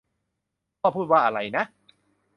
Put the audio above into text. พ่อพูดว่าอะไรนะ